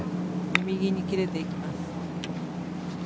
右に切れていきます。